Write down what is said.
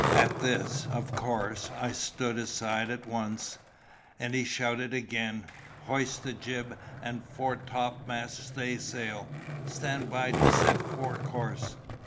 "At this, of course, I stood aside at once; and he shouted again, 'Hoist the jib and fore topmast staysail—stand by to set fore course!